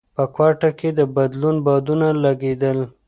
په کوټه کې د بدلون بادونه لګېدل.